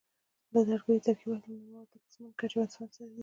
د لرګیو ترکیبات له نورو موادو لکه سمنټ، ګچ او اسفنج سره دي.